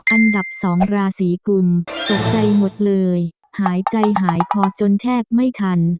อันดับ๒ราศีกุลตกใจหมดเลยหายใจหายคอจนแทบไม่ทัน